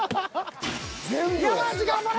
山内頑張れ！